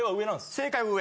正解は上。